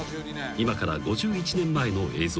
［今から５１年前の映像］